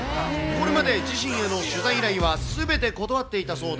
これまで自身への取材依頼はすべて断っていたそうで。